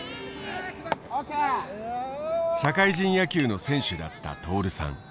社会人野球の選手だった徹さん。